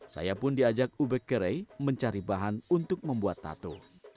saya pun diajak ubek kere mencari bahan untuk membuat tato